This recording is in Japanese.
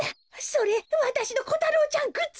それわたしのこたろうちゃんグッズよ。